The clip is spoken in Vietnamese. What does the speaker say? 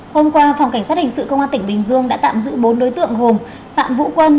hôm qua phòng cảnh sát hình sự công an tỉnh bình dương đã tạm giữ bốn đối tượng gồm phạm vũ quân